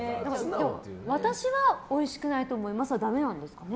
私はおいしくないと思いますはダメなんですかね。